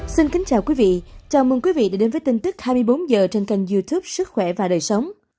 xin kính chào quý vị chào mừng quý vị đã đến với tin tức hai mươi bốn h trên kênh youtube sức khỏe và đời sống